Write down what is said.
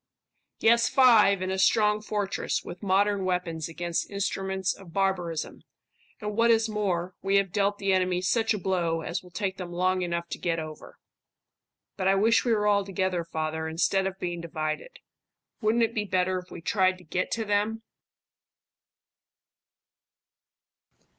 "Yes, five, in a strong fortress, with modern weapons against instruments of barbarism; and what is more, we have dealt the enemy such a blow as will take them long enough to get over." "But I wish we were all together, father, instead of being divided. Wouldn't it be better if we tried to get to them?"